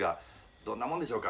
どんなもんでしょうか。